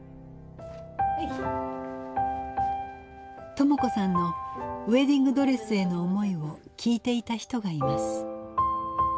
朋子さんのウエディングドレスへの思いを聞いていた人がいます。